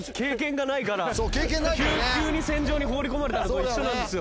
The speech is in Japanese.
急に戦場に放り込まれたのと一緒なんですよ。